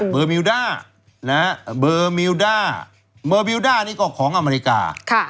เบอร์มิวด้านี่ก็ของอเมริกา